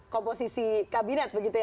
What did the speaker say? komposisi kabinet begitu ya